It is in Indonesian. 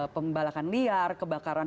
pembalakan liar kebakaran